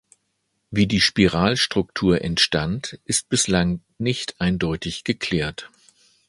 Wie die Spiralstruktur entstand, ist bislang nicht eindeutig geklärt.